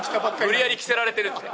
無理やり着せられてる。